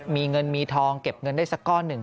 มีเงินมีทองเก็บเงินได้สักก้อนหนึ่ง